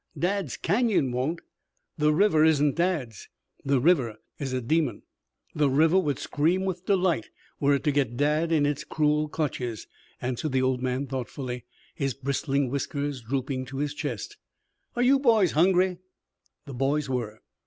"Dad's Canyon won't. The river isn't Dad's The river is a demon. The river would scream with delight were it to get Dad in its cruel clutches," answered the old man thoughtfully, his bristling whiskers drooping to his chest. "Are you boys hungry?" The boys were.